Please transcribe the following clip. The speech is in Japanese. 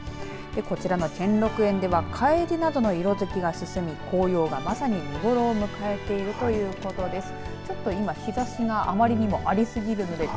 こちらの兼六園ではカエデなどの色づきが進み紅葉がまさに見ごろを迎えているということです。